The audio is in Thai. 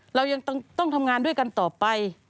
เรายังต้องทำงานด้วยกันต่อไป